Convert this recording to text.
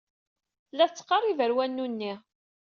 Tella tettqerrib ɣer wanu-nni.